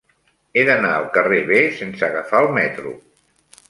He d'anar al carrer B sense agafar el metro.